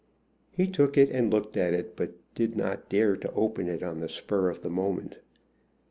He took it and looked at it, but did not dare to open it on the spur of the moment.